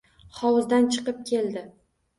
Hovuzdan chiqib keldi.